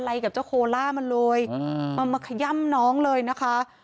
กับเจ้าโคล่ามันเลยมันมาขย่ำน้องเลยนะคะ